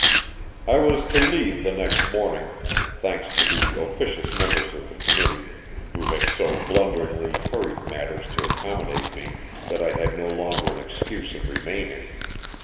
I was to leave the next morning, thanks to the officious members of the committee, who had so blunderingly hurried matters to accommodate me that I had no longer an excuse of remaining.